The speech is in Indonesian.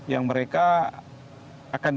yang mereka akan